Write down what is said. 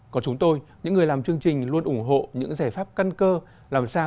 còn chúng tôi những người làm chương trình luôn ủng hộ những giải pháp căn cơ làm sao